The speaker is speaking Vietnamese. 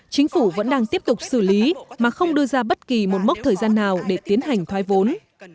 chính phủ vẫn đang tiếp tục xử lý mà không đưa ra bất kỳ một mốc thời gian nào để tiến hành thoái vốn